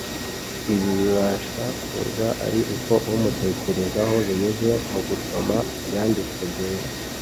Ibi bibasha kuza ari uko umutekerezaho, binyuze mu gusoma Ibyanditswe Byera,